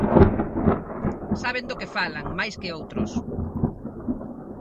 Saben do que falan, máis que outros.